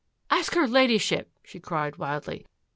"" Ask her Ladyship !" she cried wildly.